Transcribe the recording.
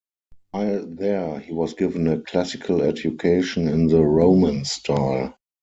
While there, he was given a classical education, in the Roman style.